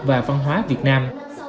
và văn hóa việt nam